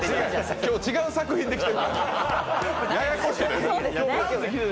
今日、違う作品で来た。